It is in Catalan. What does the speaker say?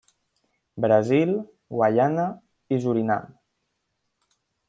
Brasil, Guaiana i Surinam.